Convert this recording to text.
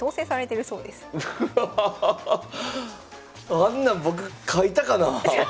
あんなん僕書いたかなあ？